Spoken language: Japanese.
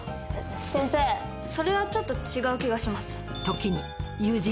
先生それはちょっと違う気がします。